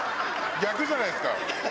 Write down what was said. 逆じゃないですか。